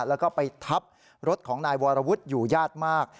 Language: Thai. แล้วก็ไปทับรถของนายวรวุฒิอยู่ญาติมาก